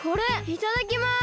いただきます！